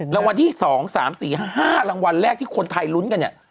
รางวัลที่๒๓๔๕รางวัลแรกที่คนไทยลุ้นกันเนี่ย